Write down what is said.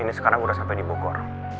eh aw ini sekarang udah sampai di bukor